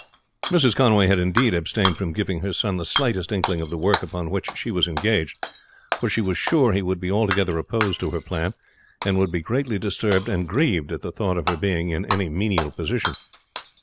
Mrs. Conway had indeed abstained from giving her son the slightest inkling of the work upon which she was engaged; for she was sure he would be altogether opposed to her plan, and would be greatly disturbed and grieved at the thought of her being in any menial position.